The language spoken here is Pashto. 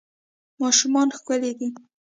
ماشومان ښکلي دي